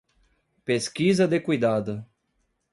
Pesquisa de cuidado